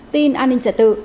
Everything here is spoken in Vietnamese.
tin an ninh trả tự